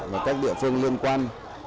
và các địa phương liên quan